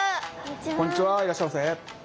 こんにちはいらっしゃいませ。